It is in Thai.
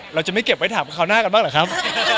เราจะไม่เก็บไว้ถามคราวหน้ากันบ้างหรือครับ